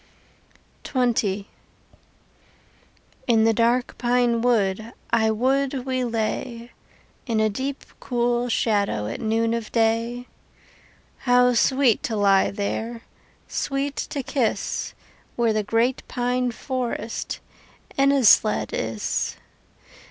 XX In the dark pine wood I would we lay, In deep cool shadow At noon of day. How sweet to lie there, Sweet to kiss, Where the great pine forest Enaisled is!